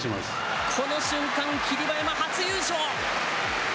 この瞬間、霧馬山、初優勝。